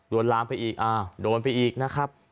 โดรณ์ล้ำไปอีกโดรณ์ไปอีกนะครับ